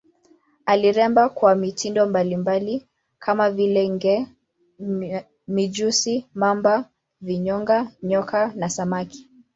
Aliremba kwa mitindo mbalimbali kama vile nge, mijusi, mamba, vinyonga, nyoka na samaki.